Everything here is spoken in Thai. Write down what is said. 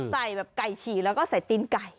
ใส่แบบไก่ฉี่แล้วก็ใส่ตีนไก่